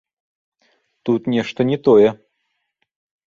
Тут нешта не тое.